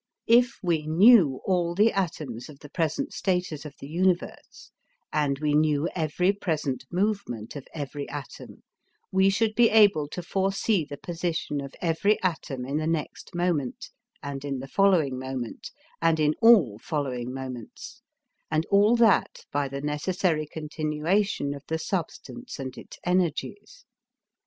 If we knew all the atoms of the present status of the universe, and we knew every present movement of every atom, we should be able to foresee the position of every atom in the next moment and in the following moment and in all following moments, and all that by the necessary continuation of the substance and its energies.